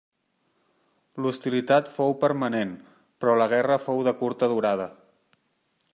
L'hostilitat fou permanent, però la guerra fou de curta durada.